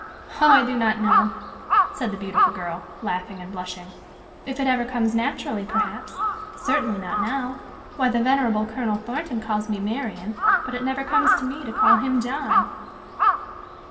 "Oh, I do not know," said the beautiful girl, laughing and blushing. "If it ever comes naturally, perhaps; certainly not now. Why, the venerable Colonel Thornton calls me 'Marian,' but it never comes to me to call him 'John!'"